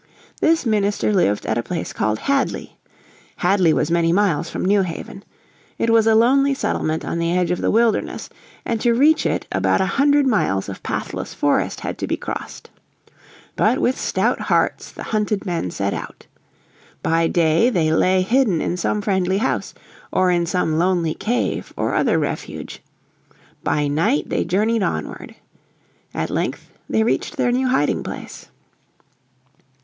This minister lived at a place called Hadley. Hadley was many miles from New Haven. It was a lonely settlement on the edge of the wilderness, and to reach it about a hundred miles of pathless forest had to be crossed. But with stout hearts the hunted men set out. By day they lay hidden in some friendly house, or in some lonely cave or other refuge. By night they journeyed onward. At length they reached their new hiding place.